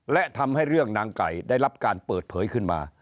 และทำให้เรื่องนางไก่ได้รับการเปิดเผยขึ้นมา